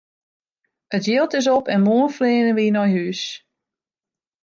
It jild is op en moarn fleane wy nei hús!